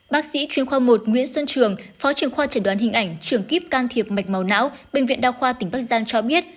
bác sĩ chuyên khoa một nguyễn xuân trường phó trưởng khoa chuẩn đoán hình ảnh trường kíp can thiệp mạch màu não bệnh viện đa khoa tỉnh bắc giang cho biết